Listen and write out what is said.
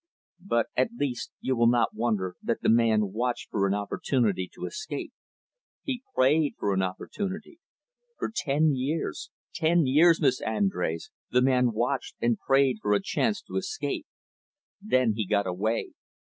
But, at least, you will not wonder that the man watched for an opportunity to escape. He prayed for an opportunity. For ten years, ten years, Miss Andrés, the man watched and prayed for a chance to escape. Then he got away.